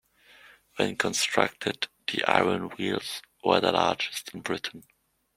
When constructed, the iron wheels were the largest in Britain.